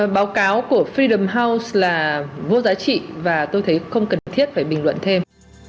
báo cáo của freedom house là vô giá trị và tôi thấy không cần thiết phải bình luận thêm